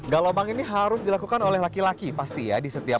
galombang ini harus dilakukan oleh laki laki pasti ya di setiap